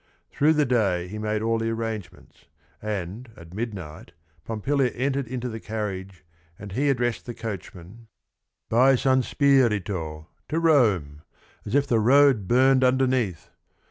Through the day he made all the arrangements, and at midnight Pompilia entered into the car riage, and he addressed the coachman : "By San Spirito, To Rome, as if the road burned underneath